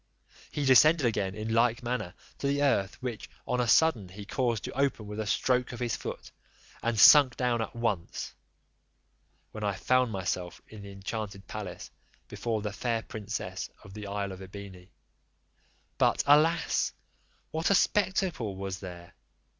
He descended again in like manner to the earth, which on a sudden he caused to open with a stroke of his foot, and sunk down at once, when I found myself in the enchanted palace, before the fair princess of the isle of Ebene. But, alas! what a spectacle was there!